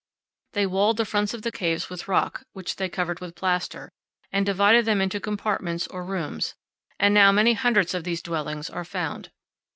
They walled the fronts of the caves with rock, which they covered with plaster, and divided them into compartments or rooms; and now many hundreds of these dwellings are found.